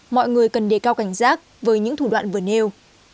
mọi người cần đề cao cảnh giác với những thủ đoạn vừa nêu